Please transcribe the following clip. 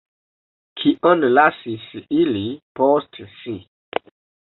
Kion lasis ili post si?